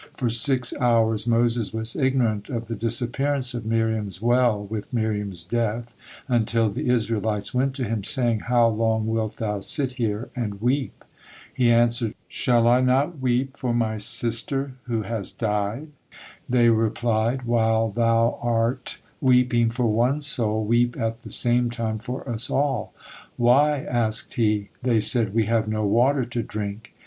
For six hours Moses was ignorant of the disappearance of Miriam's well with Miriam's death, until the Israelites went to him, saying, "How long wilt thou sit here and weep?" He answered, "Shall I not weep for my sister, who had died?" They replied, "While thou are weeping for one soul, weep at the same time for us all." "Why?" asked he. They said, "We have no water to drink."